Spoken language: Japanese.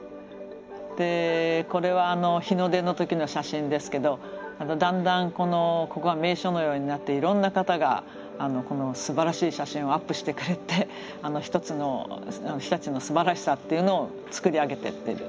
でこれは日の出の時の写真ですけどだんだんここが名所のようになっていろんな方がこのすばらしい写真をアップしてくれて一つの日立のすばらしさっていうのを作り上げていってる。